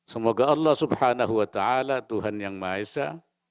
semoga allah subhanahu wa ta'ala tuhan yang maha esa